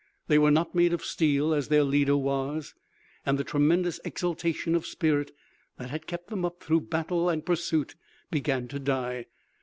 They were not made of steel as their leader was, and the tremendous exultation of spirit that had kept them up through battle and pursuit began to die.